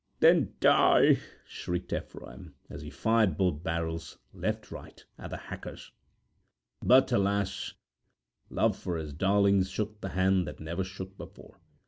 'Then die!' shrieked Ephraim, as he fired both barrels, right left, at the hackers. But, alas! love for his darlings shook the hand that never shook before.